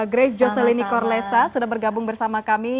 grace jocely nicorlesa sudah bergabung bersama kami